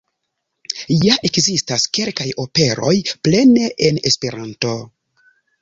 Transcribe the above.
Ja ekzistas kelkaj operoj plene en Esperanto.